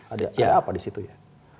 ada apa disitu ya